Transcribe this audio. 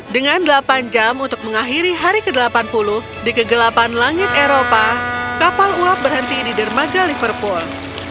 dengan delapan jam untuk mengakhiri hari ke delapan puluh di kegelapan langit eropa kapal uap berhenti di dermaga liverpool